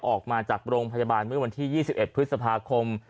ออกมาจากโรงพยาบาลเมื่อวันที่๒๑พฤษภาคม